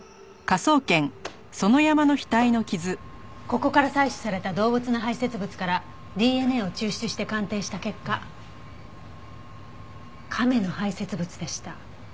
ここから採取された動物の排泄物からＤＮＡを抽出して鑑定した結果亀の排泄物でした。